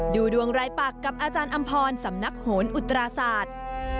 ดูดวงรายปักกับอาจารย์อำพรสำนักโหนอุตราศาสตร์